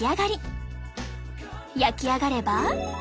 焼き上がれば。